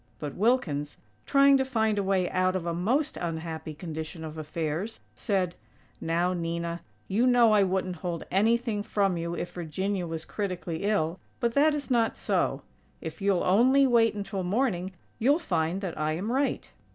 But Wilkins, trying to find a way out of a most unhappy condition of affairs, said: "Now, Nina, you know I wouldn't hold anything from you if Virginia was critically ill, but that is not so. If you'll only wait until morning you'll find that I am right."